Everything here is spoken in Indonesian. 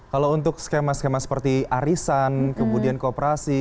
kalau untuk skema skema seperti arisan kemudian kooperasi